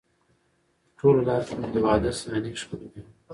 په ټوله لار کې مې د واده صحنې، ښکلې ناوې،